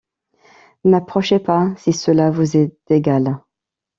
N’approchez pas, si cela vous est égal.